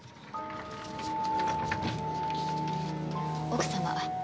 奥様